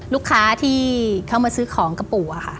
ลูกค้าที่เข้ามาซื้อของกับปู่